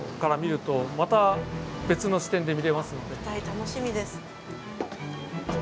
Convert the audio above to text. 楽しみです。